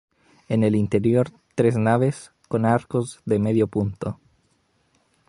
En el interior, tres naves con arcos de medio punto.